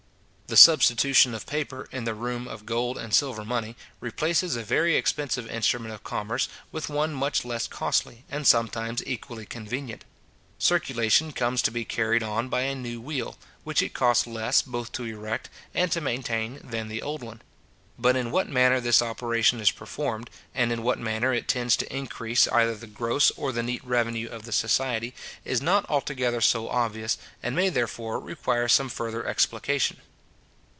The substitution of paper in the room of gold and silver money, replaces a very expensive instrument of commerce with one much less costly, and sometimes equally convenient. Circulation comes to be carried on by a new wheel, which it costs less both to erect and to maintain than the old one. But in what manner this operation is performed, and in what manner it tends to increase either the gross or the neat revenue of the society, is not altogether so obvious, and may therefore require some further explication.